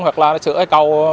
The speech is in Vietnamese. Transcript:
hoặc là sửa cầu